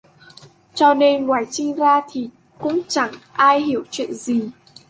cho nên ngoài Trinh ra thì cũng chẳng ai hiểu chuyện gì